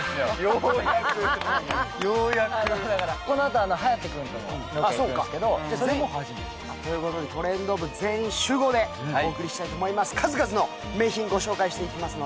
ようやくようやくこのあと颯くんともロケ行くんですけどそれも初めてということでトレンド部全員集合でお送りしたいと思います